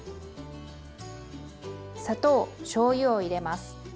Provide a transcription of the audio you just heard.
砂糖しょうゆを入れます。